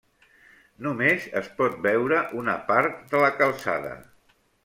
Només es pot veure una part de la calçada.